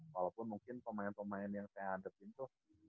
walaupun mungkin pemain pemain yang saya hadapin tuh